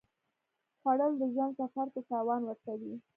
خوړل د ژوند سفر ته توان ورکوي